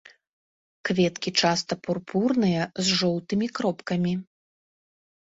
Кветкі часта пурпурныя з жоўтымі кропкамі.